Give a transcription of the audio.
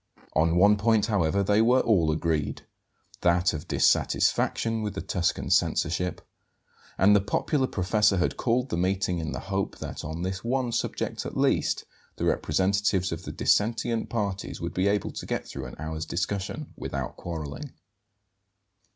On one point, however, they were all agreed; that of dissatisfaction with the Tuscan censorship; and the popular professor had called the meeting in the hope that, on this one subject at least, the representatives of the dissentient parties would be able to get through an hour's discussion without quarrelling.